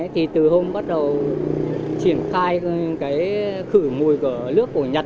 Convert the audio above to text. thì từ hôm bắt đầu triển khai khử mùi của nước của nhật